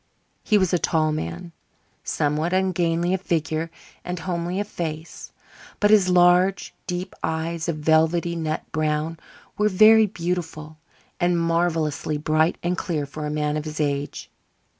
He was a tall man, somewhat ungainly of figure and homely of face. But his large, deep eyes of velvety nut brown were very beautiful and marvellously bright and clear for a man of his age.